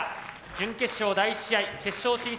準決勝第１試合決勝進出